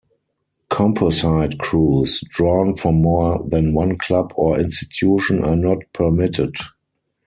Composite crews, drawn from more than one club or institution, are not permitted.